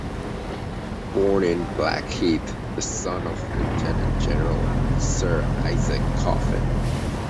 Born in Blackheath, the son of Lieutenant General Sir Isaac Coffin.